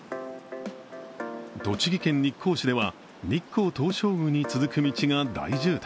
栃木県日光市では日光東照宮に続く道が大渋滞。